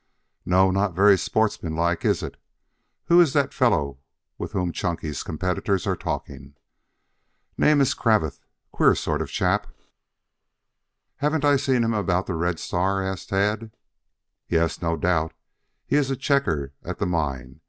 "No, not very sportsmanlike, is it? Who is that fellow with whom Chunky's competitors are talking?" "Name is Cravath. Queer sort of a chap." "Haven't I seen him about the Red Star?" asked Tad. "Yes, no doubt. He is a checker at the mine.